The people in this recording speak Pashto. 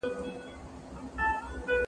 عصبیت د ټولنیز پیوستون او تړاو په معنی دی.